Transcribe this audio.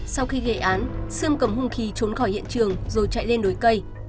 sau khi gây án sươm cầm hung khí trốn khỏi hiện trường rồi chạy lên đối cây